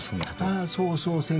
ああそうそう先生